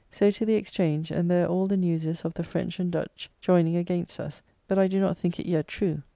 So to the Exchange, and there all the news is of the French and Dutch joyning against us; but I do not think it yet true.